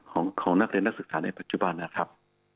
ของนักเรียนนักศึกษาในปัจจุบันนะครับ